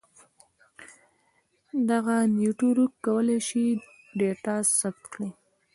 دغه نیټورک کولای شي ډاټا ثبت کړي.